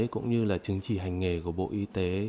cũng như là chứng chỉ hành nghề của bộ y tế